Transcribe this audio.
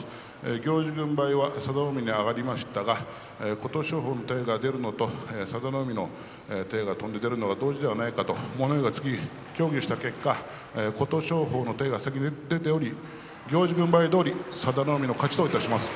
行司軍配は佐田の海に上がりましたが琴勝峰の体が出るのと佐田の海の体が出るのが同時ではないかと物言いがつき協議した結果琴勝峰の手が先に出ており行司軍配どおり佐田の海の勝ちといたします。